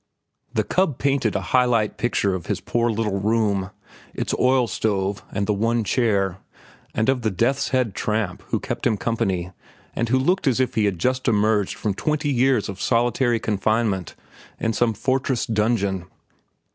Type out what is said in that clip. The cub painted a high light picture of his poor little room, its oil stove and the one chair, and of the death's head tramp who kept him company and who looked as if he had just emerged from twenty years of solitary confinement in some fortress dungeon.